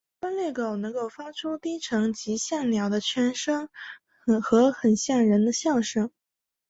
斑鬣狗能够发出低沉及像鸟的吠声和很像人的笑声。